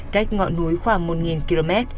cách ngọn núi khoảng một km